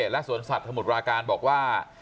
และสวนสัตว์สมุทรปราการบอกว่า